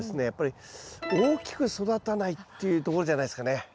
やっぱり大きく育たないっていうところじゃないですかね。